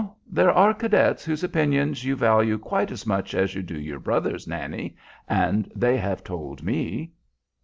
there are cadets whose opinions you value quite as much as you do your brother's, Nannie, and they have told me."